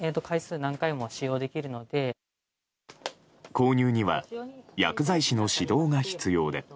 購入には薬剤師の指導が必要で。